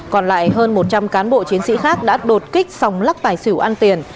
còn lại hơn một trăm linh cán bộ chiến sĩ khác đã đột kích sòng lắc tài xỉu ăn tiền